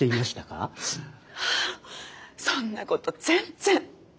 そんなこと全然。